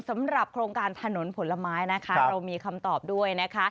สำหรับโครงการถนนผลไม้นะคะเรามีคำตอบด้วยนะคะ